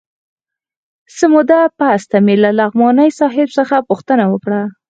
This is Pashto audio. څه موده پس ته مې له نعماني صاحب څخه پوښتنه وکړه.